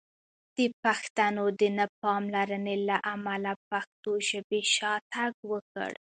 د پښتنو د نه پاملرنې له امله پښتو ژبې شاتګ وکړ!